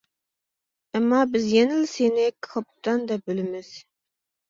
ئەمما بىز يەنىلا سېنى كاپىتان دەپ بىلىمىز.